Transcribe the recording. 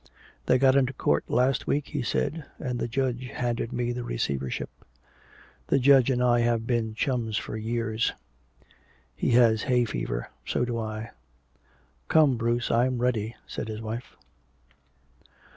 "They got into court last week," he said, "and the judge handed me the receivership. The judge and I have been chums for years. He has hay fever so do I." "Come, Bruce, I'm ready," said his wife.